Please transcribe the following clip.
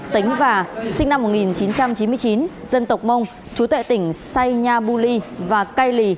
tính vả sinh năm một nghìn chín trăm chín mươi chín dân tộc mông chú tệ tỉnh say nha bu ly và cây lì